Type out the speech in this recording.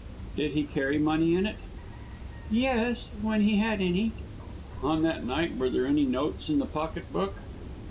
"Did he carry money in it?" "Yes, when he had any." "On that night were there any notes in the pocket book?"